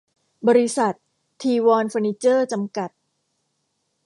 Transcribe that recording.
บริษัท ธีวรเฟอร์นิเจอร์ จำกัด